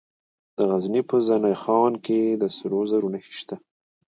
د غزني په زنه خان کې د سرو زرو نښې شته.